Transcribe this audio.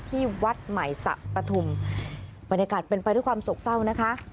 ที่วัดใหม่สะปฐุมบรรยากาศเป็นไปด้วยความโศกเศร้านะคะ